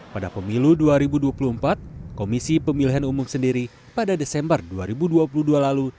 pada pemilu dua ribu dua puluh empat komisi pemilihan umum sendiri pada desember dua ribu dua puluh dua lalu